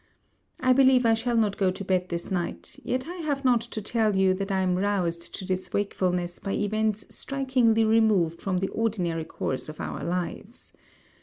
I believe I shall not go to bed this night, yet I have not to tell you, that I am roused to this wakefulness by events strikingly removed from the ordinary course of our lives.